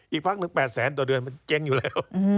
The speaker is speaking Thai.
อีกพักหนึ่ง๘แสนต่อเดือนมันเจ๊งอยู่แล้ว